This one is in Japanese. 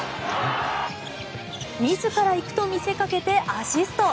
自ら行くと見せかけてアシスト。